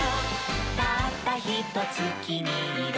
「たったひとつきみイロ」